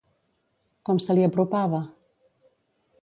Com se li apropava?